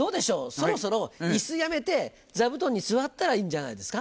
そろそろ椅子やめて座布団に座ったらいいんじゃないんですか？